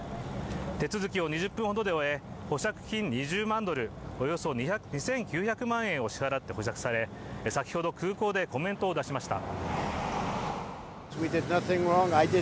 手続きを２０分ほどで終え、保釈金２０万ドル、およそ２９００万円を支払って保釈され先ほど空港でコメントを出しました。